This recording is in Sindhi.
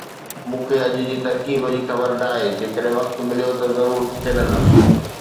مون کي اڄ جي ترڪيب جي خبر ناهي، جيڪڏهن وقت مليو ته ضرور کيڏندس.